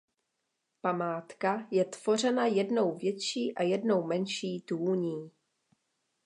Památka je tvořena jednou větší a jednou menší tůní.